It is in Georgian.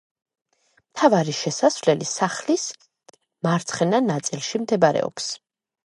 მთავარი შესასვლელი სახლის მარცხენა ნაწილში მდებარეობს.